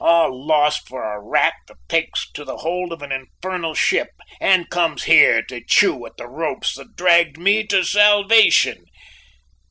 All lost for a rat that takes to the hold of an infernal ship, and comes here to chew at the ropes that dragged me to salvation.